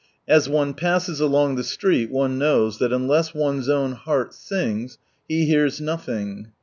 As one passes along the street one knows that unless one's own heart sings, He hears From Sunrise Land nothing.